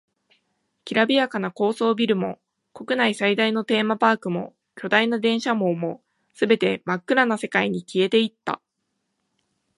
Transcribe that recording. きらびやかな高層ビルも、国内最大のテーマパークも、巨大な電車網も、全て真っ暗な世界に消えていった。